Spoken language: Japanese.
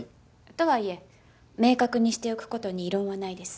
とはいえ明確にしておく事に異論はないです。